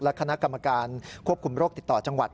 คณะกรรมการควบคุมโรคติดต่อจังหวัด